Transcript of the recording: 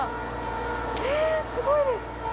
えっすごいです！